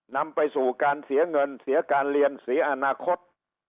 นำไปสู่การเสียเงินเสียการเรียนเสียอนาคต